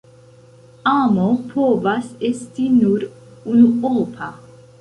Amo povas esti nur unuopa.